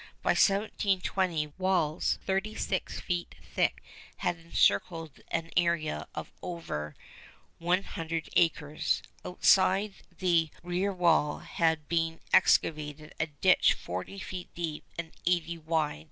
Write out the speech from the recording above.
By 1720 walls thirty six feet thick had encircled an area of over one hundred acres. Outside the rear wall had been excavated a ditch forty feet deep and eighty wide.